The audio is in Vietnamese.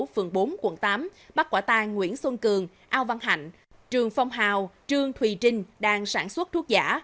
phường bốn quận tám bắt quả tang nguyễn xuân cường ao văn hạnh trường phong hào trương thùy trinh đang sản xuất thuốc giả